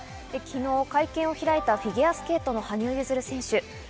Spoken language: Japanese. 昨日、会見を開いたフィギュアスケートの羽生結弦選手。